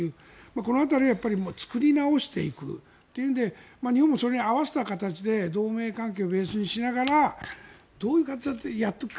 この辺りは作り直していくというので日本もそれに合わせた形で同盟関係をベースにしながらどうやっていくか。